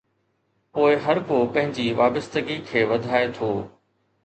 پوءِ هر ڪو پنهنجي وابستگي کي وڌائي ٿو.